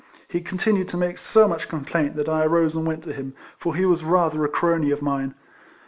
He continued to make so much complaint, that I arose and went to him, for he was rather a crony of mine.